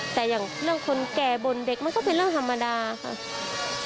แต่อย่างเรื่องคนแก่บนเด็กมันก็เป็นเรื่องธรรมดาค่ะ